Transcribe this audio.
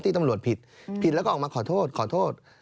ตำรวจผิดผิดแล้วก็ออกมาขอโทษขอโทษ